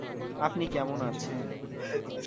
আপনি কেমন আছেন?